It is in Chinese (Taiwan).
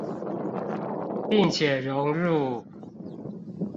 並且融入